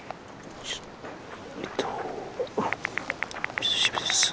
「お久しぶりです。